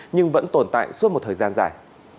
nhưng vẫn tồn tại suốt một thời gian dài